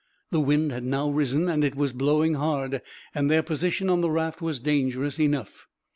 The wind had now risen, and it was blowing hard, and their position on the raft was dangerous enough.